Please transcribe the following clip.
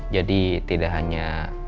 jadi tidak hanya